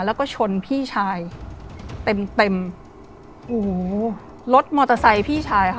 แล้วก็ชนพี่ชายเต็มรถมอเตอร์ไซค์พี่ชาย